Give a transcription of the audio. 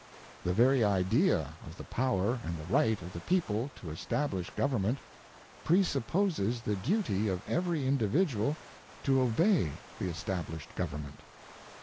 The very idea of the power and the right of the People to establish Government, presupposes the duty of every individual to obey the estab lished Government.